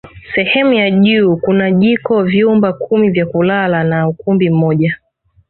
Sehemu ya juu kuna jiko vyumba kumi vya kulala na ukumbi mmoja